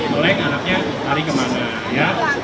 boleh anaknya lari kemana ya